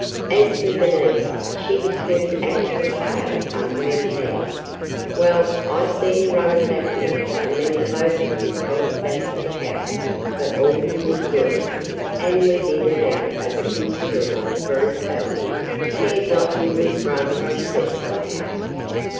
As for Bernice, she had turned actually pale under her tan. "Well, I seen you runnin' back here and then the both of you pelted back to the house for all you was worth and was in an' out of it considerable for a spell. 'Peared like you was rather upset somehow!"